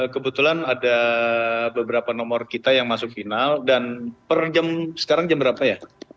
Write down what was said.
kebetulan ada beberapa nomor kita yang masuk final dan per jam sekarang jam berapa ya